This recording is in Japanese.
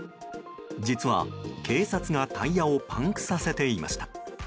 実は警察がタイヤをパンクさせていました。